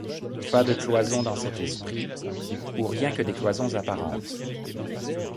Pas de cloison dans cet esprit; ou rien que des cloisons apparentes.